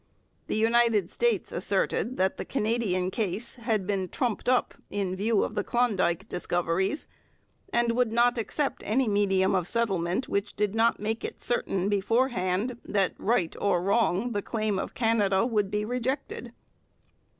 The United States asserted that the Canadian case had been trumped up in view of the Klondike discoveries, and would not accept any medium of settlement which did not make it certain beforehand that, right or wrong, the claim of Canada would be rejected.